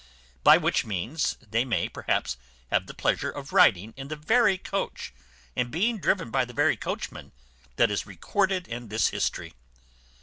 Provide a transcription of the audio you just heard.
By which means they may, perhaps, have the pleasure of riding in the very coach, and being driven by the very coachman, that is recorded in this history.